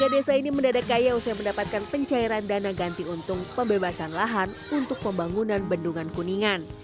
tiga desa ini mendadak kaya usai mendapatkan pencairan dana ganti untung pembebasan lahan untuk pembangunan bendungan kuningan